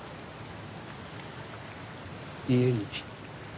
家に。